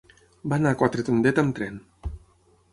Va anar a Quatretondeta amb tren.